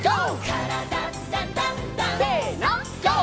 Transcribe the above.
「からだダンダンダン」せのＧＯ！